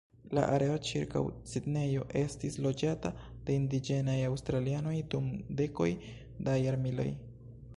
La areo ĉirkaŭ Sidnejo estis loĝata de indiĝenaj aŭstralianoj dum dekoj da jarmiloj.